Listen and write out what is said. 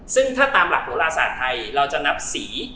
ซึ่งถ้าตามหลักโหลศาสตร์ไทยเราจะนับสี